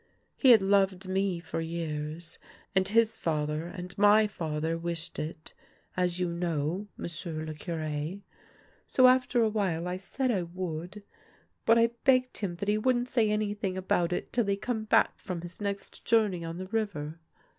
He had loved me for years, and his father and my father wished it — as you know, m'sieu' le Cure. So after a while I said I would; but I begged him that he wouldn't say anything about it till he come back from his next journey on the river.